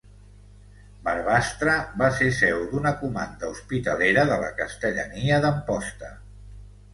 Barbastre va ser seu d'una comanda hospitalera de la Castellania d'Amposta.